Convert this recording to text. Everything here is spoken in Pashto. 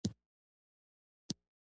آیا که ګاونډی وږی وي پښتون ډوډۍ خوري؟